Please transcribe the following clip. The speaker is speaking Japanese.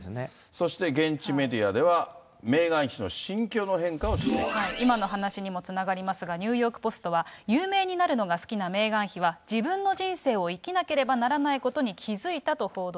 そして、現地メディアでは、今の話にもつながりますが、ニューヨーク・ポストは有名になるのが好きなメーガン妃は、自分の人生を生きなければならないことに気付いたと報道。